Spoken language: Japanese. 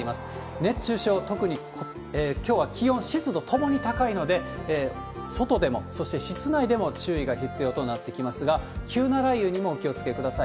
熱中症、特にきょうは気温、湿度ともに高いので、外でも、そして室内でも注意が必要となってきますが、急な雷雨にもお気をつけください。